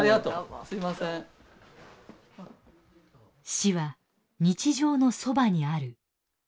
「死は日常のそばにある」。